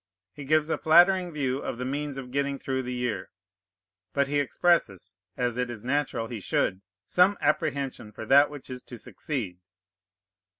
He gives a flattering view of the means of getting through the year; but he expresses, as it is natural he should, some apprehension for that which was to succeed.